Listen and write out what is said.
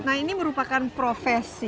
nah ini merupakan profesi